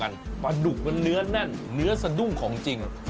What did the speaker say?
ปลาดุกมันเนื้อแน่นเนื้อสะดุ้งของจริง